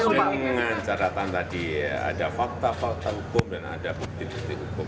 dengan caratan tadi ada fakta fakta hukum dan ada bukti bukti hukum